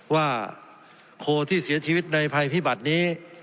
ว่าโคที่เสียชีวิตในภัยพิบัตินี้